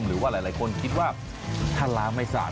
หรือว่าหลายคนคิดว่าถ้าล้างไม่สะอาด